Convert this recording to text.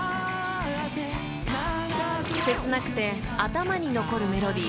［切なくて頭に残るメロディー。